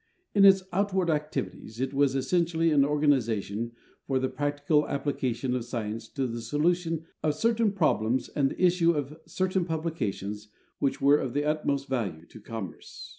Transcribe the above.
In its outward activities it was essentially an organization for the prac tical application of science to the solution of certain problems and the issue of certain publications which were of the utmost value to commerce.